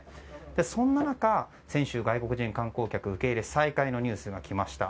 そんな中、先週外国人観光客受け入れ再開のニュースが来ました。